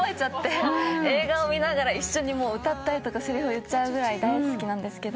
映画を見ながら一緒に歌ったりせりふを言っちゃうぐらい大好きなんです。